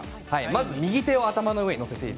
まず右手を頭の上に入れます。